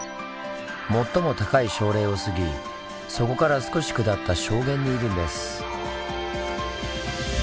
最も高い礁嶺を過ぎそこから少し下った礁原にいるんです。